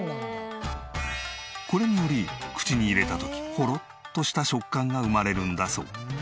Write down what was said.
これにより口に入れた時ホロッとした食感が生まれるんだそう。